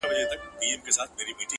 يو چا راته ويله لوړ اواز كي يې ملگرو.!